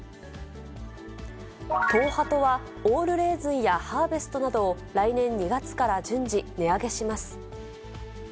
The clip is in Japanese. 東ハトは、オールレーズンやハーベストなどを、来年２月から順次、値上げします。